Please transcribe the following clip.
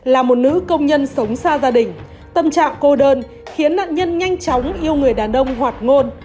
là một nữ công nhân sống xa gia đình tâm trạng cô đơn khiến nạn nhân nhanh chóng yêu người đàn ông hoạt ngôn